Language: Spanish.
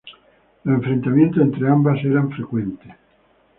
Los enfrentamientos entre ambas eran frecuentes.